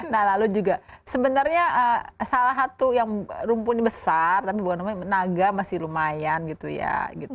nah lalu juga sebenarnya salah satu yang rumpun besar tapi bukan namanya naga masih lumayan gitu ya